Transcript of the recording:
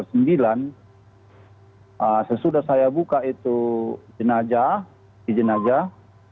sesudah saya buka itu jenajah di jenajah